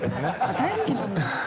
大好きなんだ。